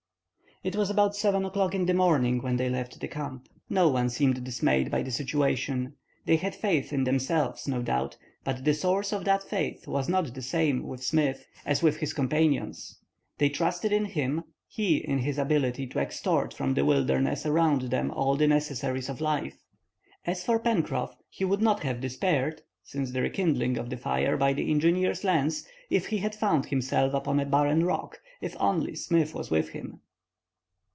It was about 7 o'clock in the morning when they left the camp. No one seemed dismayed by the situation. They had faith in themselves, no doubt; but the source of that faith was not the same with Smith as with his companions. They trusted in him, he in his ability to extort from the wilderness around them all the necessaries of life. As for Pencroff, he would not have despaired, since the rekindling of the fire by the engineer's lens, if he had found himself upon a barren rock, if only Smith was with him.